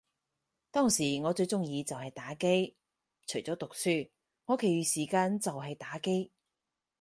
當時我最鍾意就係打機，除咗讀書，我其餘時間就係打機